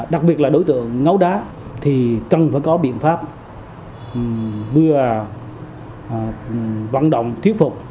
đặc biệt là đối tượng ngấu đá thì cần phải có biện pháp vừa vận động thuyết phục